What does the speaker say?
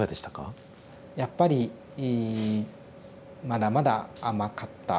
やっぱりまだまだ甘かった。